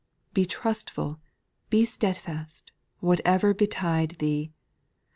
' Be trustful, be steadfast, whatever betide thee.